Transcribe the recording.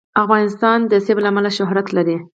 افغانستان د منی له امله شهرت لري.